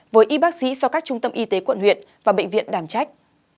với y bác sĩ do các trung tâm y tế quận huyện và bệnh viện đảm trách